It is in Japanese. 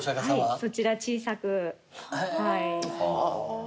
はいそちら小さく。